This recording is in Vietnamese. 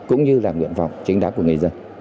cũng như là nguyện vọng chính đáng của người dân